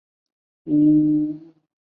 甲状舌骨正中韧带是较厚的部分。